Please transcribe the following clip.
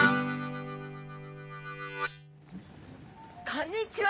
こんにちは！